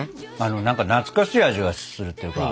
何か懐かしい味がするっていうか。